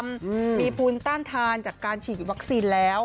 อืมมีภูมิต้านทานจากการฉีดวัคซีนแล้ว